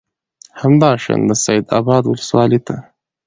همدا شان د سید آباد ولسوالۍ ته